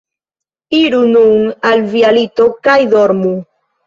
Iru nun al via lito kaj dormu.